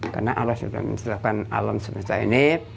karena allah sudah menceritakan alam semesta ini